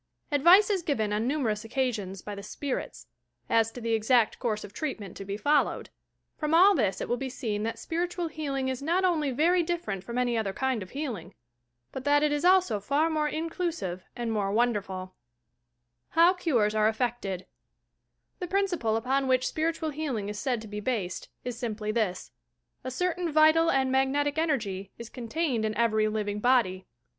Advice is given on nmnerons occasions by the "spirits," as to the exact course of treatment to be followed. From all this it will be seen that spiritual healing is not only very different from any other kind of healing: but that it is also far more inclusive and more wonderful HOW CUBES ARE EFFECTED The principle upon which spiritual healing is said to be based is simply this: A certain vital and mag netic energy is contained in every living body.